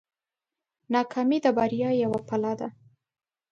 ناکامي د بریا یوه پله ده.